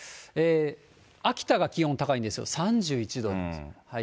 秋田が気温高いんですよ、３１度です。